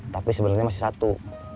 tapi sebenarnya masih satu